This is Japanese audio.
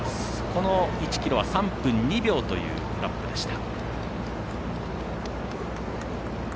この１ｋｍは３分２秒というラップでした。